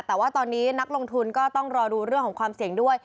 แต่ว่าตอนนี้นักลงทุนก็ต้องรอดูเรื่องของความเสี่ยงด้วย